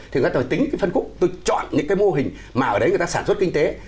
thì người ta phải tính phân khúc tôi chọn những mô hình mà ở đấy người ta sản xuất kinh tế